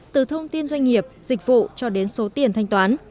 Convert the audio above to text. từ thông tin doanh nghiệp dịch vụ cho đến số tiền thanh toán